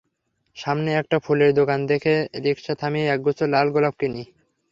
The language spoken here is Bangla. সামনে একটা ফুলের দোকান দেখে রিকশা থামিয়ে একগুচ্ছ লাল গোলাপ কিনি।